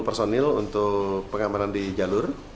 empat puluh personel untuk pengamanan di jalur